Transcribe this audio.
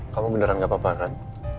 kamu beneran gak apa apakan